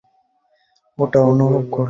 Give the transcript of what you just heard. ওটা অনুভব করলাম।